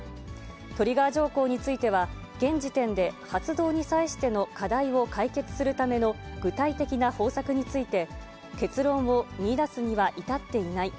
トリガー条項については、現時点で発動に際しての課題を解決するための具体的な方策について、結論を見いだすには至っていない。